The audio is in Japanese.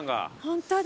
ホントだ。